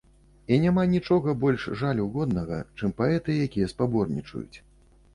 І няма нічога больш жалю годнага, чым паэты, якія спаборнічаюць.